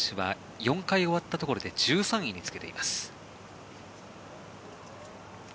４回終わったところで１３位につけています。